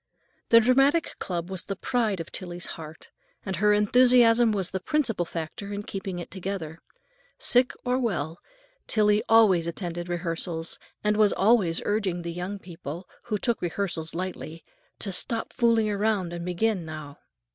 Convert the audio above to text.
The dramatic club was the pride of Tillie's heart, and her enthusiasm was the principal factor in keeping it together. Sick or well, Tillie always attended rehearsals, and was always urging the young people, who took rehearsals lightly, to "stop fooling and begin now."